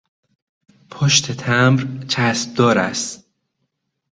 پشت تمبر چسب دار است.